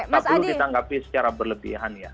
tapi ditanggapi secara berlebihan ya